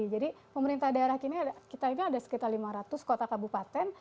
jadi pemerintah daerah kini kita ini ada sekitar lima ratus kota kabupaten